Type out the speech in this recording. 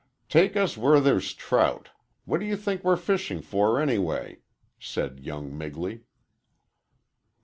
"Take us where there's trout. What do you think we're fishing for, anyway?" said young Migley.